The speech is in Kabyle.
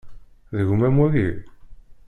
D gma-m wagi?